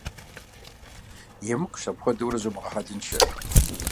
Емыкӏущ, апхуэдэурэ зумыгъэхьэлыншэ.